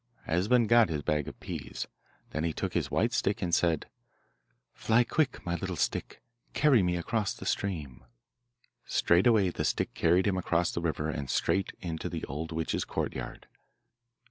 Esben got his bag of peas; then he took his white stick, and said, Fly quick, my little stick, Carry me across the stream. Straightway the stick carried him across the river and straight into the old witch's courtyard.